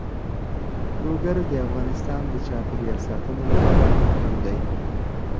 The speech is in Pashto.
لوگر د افغانستان د چاپیریال ساتنې لپاره مهم دي.